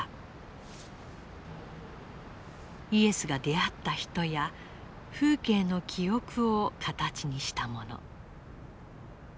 イエスが出会った人や風景の記憶を形にしたもの。